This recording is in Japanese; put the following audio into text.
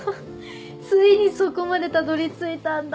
ついにそこまでたどり着いたんだ！